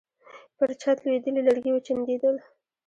پر چت لوېدلي لرګي وچونګېدل.